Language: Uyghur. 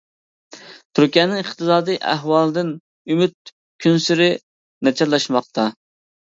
تۈركىيەنىڭ ئىقتىسادىي ئەھۋالىدىن ئۈمىد كۈنسېرى ناچارلاشماقتا.